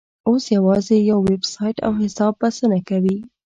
اوس یوازې یو ویبسایټ او حساب بسنه کوي.